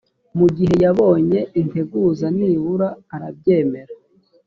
mu gihe yabonye integuza nibura arabyemera